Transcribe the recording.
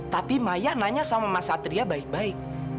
tapi maya nanya sama mas satria baik baik